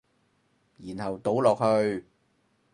然後倒落去